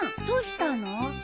どうしたの？